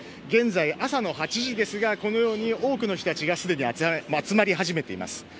現在、朝の８時ですがこのように多くの人たちがすでに集まり始めています。